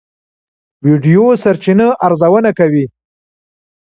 ویډیو سرچینه ارزونه کوي.